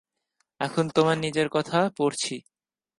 এখন তোমার নিজের কথা পাড়ছি।